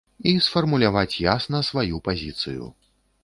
І сфармуляваць ясна сваю пазіцыю.